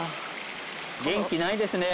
元気ないですね。